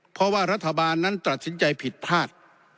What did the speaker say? เพราะว่ารัฐบาลนั้นตัดสินใจผิดพลาด